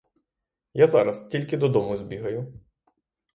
Я зараз: тільки додому збігаю.